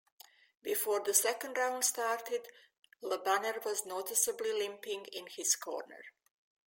Before the second round started, LeBanner was noticeably limping in his corner.